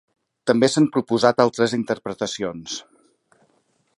També s'han proposat altres interpretacions.